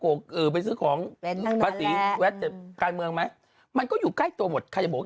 โกไปซื้อของการเมืองมั้ยมันก็อยู่ใกล้ตัวหมดใครบอก